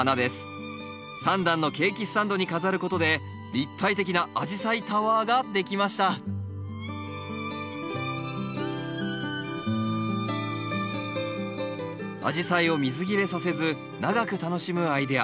３段のケーキスタンドに飾ることで立体的なアジサイタワーができましたアジサイを水切れさせず長く楽しむアイデア。